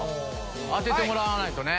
当ててもらわないとね。